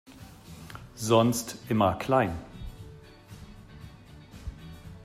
Sonst immer klein!